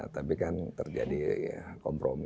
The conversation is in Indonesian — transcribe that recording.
tapi kan terjadi kompromi